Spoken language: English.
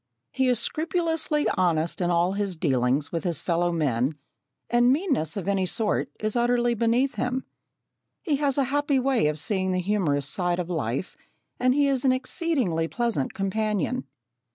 He is scrupulously honest in all his dealings with his fellow men, and meanness of any sort is utterly beneath him. He has a happy way of seeing the humorous side of life, and he is an exceedingly pleasant companion.